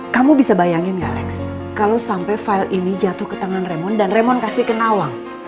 kamu bisa bayangin gak lex kalo sampe file ini jatuh ke tangan raymond dan raymond kasih ke nawang